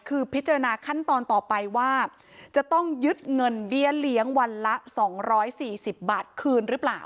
คือพิจารณาขั้นตอนต่อไปว่าจะต้องยึดเงินเบี้ยเลี้ยงวันละ๒๔๐บาทคืนหรือเปล่า